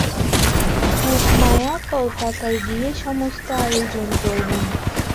যোগমায়া কলকাতায় গিয়ে সমস্ত আয়োজন করবেন।